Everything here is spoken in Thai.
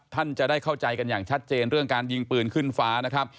ท่านจะได้เข้าใจกันอย่างชัดเจนเรื่องการยิงปืนขึ้นฟ้านะครับ